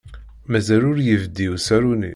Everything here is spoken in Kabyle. Mazal ur yebdi usaru-nni.